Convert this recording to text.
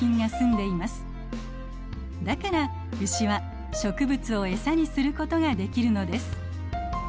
だからウシは植物をエサにすることができるのです。